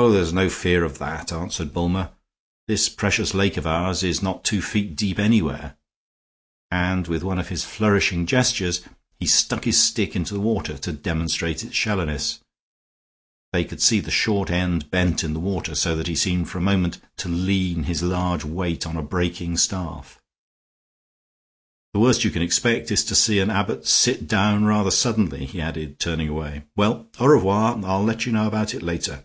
"Oh, there's no fear of that," answered Bulmer; "this precious lake of ours is not two feet deep anywhere." And with one of his flourishing gestures he stuck his stick into the water to demonstrate its shallowness. They could see the short end bent in the water, so that he seemed for a moment to lean his large weight on a breaking staff. "The worst you can expect is to see an abbot sit down rather suddenly," he added, turning away. "Well, au revoir; I'll let you know about it later."